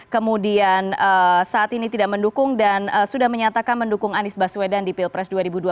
kemudian saat ini tidak mendukung dan sudah menyatakan mendukung anies baswedan di pilpres dua ribu dua puluh